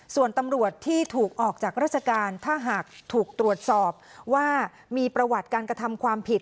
ส่วนตำรวจที่ถูกออกจากราชการถ้าหากถูกตรวจสอบว่ามีประวัติการกระทำความผิด